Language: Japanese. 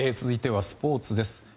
続いてはスポーツです。